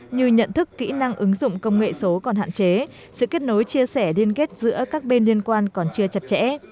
như nhận thức kỹ năng ứng dụng công nghệ số còn hạn chế sự kết nối chia sẻ điên kết giữa các bên liên quan còn chưa chặt chẽ